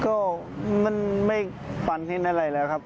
ก็มันไม่ฝันเห็นอะไรแล้วครับ